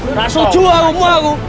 nggak setuju aku